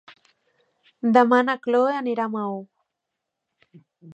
Demà na Chloé anirà a Maó.